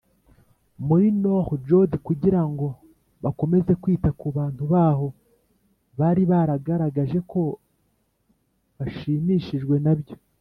muri Nord Fjord kugira ngo bakomeze kwita ku bantu baho bari baragaragaje ko bashimishijwe nabyo